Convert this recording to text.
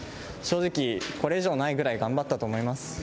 正直、これ以上ないぐらい頑張ったと思います。